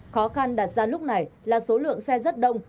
khó khăn đặt ra lúc này là số lượng xe rất đông